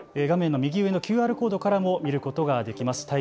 画面の右上のＱＲコードからも見ることができます。